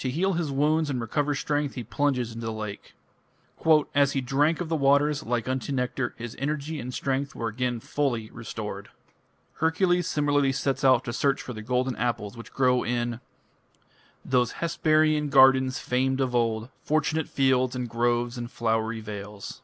To heal his wounds and recover strength he plunges into the lake. "As he drank of the waters, like unto nectar, his energy and strength were again fully restored." Hercules similarly sets out to search for the golden apples which grow in those Hesperian gardens famed of old, Fortunate fields, and groves and flowery vales.